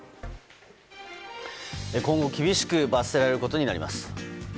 今後、厳しく罰せられることになります。